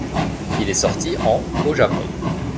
Il est sorti en au Japon.